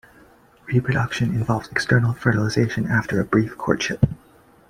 Reproduction involves external fertilisation after "a brief courtship".